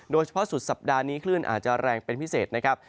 โดยเฉพาะสุดสัปดาห์นี้ขึ้นอาจจะแรงเป็นพิเศษนะครับ